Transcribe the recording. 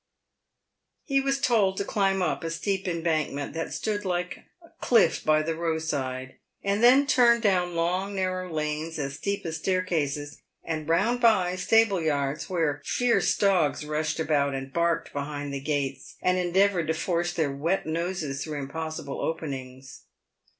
He was told to climb up a steep embankment that stood like a cliff by the roadside, and then turn down long narrow lanes as steep as staircases, and round by stable yards, where fierce dogs rushed about and barked behind the gates and endeavoured to force their wet noses through impossible openings.